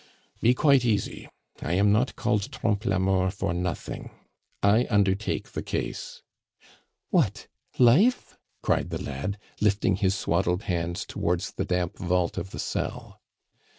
"Be quite easy, I am not called Trompe la Mort for nothing. I undertake the case." "What! life?" cried the lad, lifting his swaddled hands towards the damp vault of the cell.